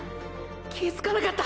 気づかなかった！！